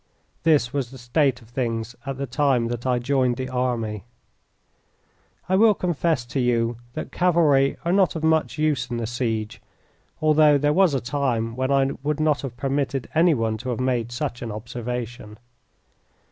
This was the state of things at the time that I joined the army. I will confess to you that cavalry are not of much use in a siege, although there was a time when I would not have permitted anyone to have made such an observation.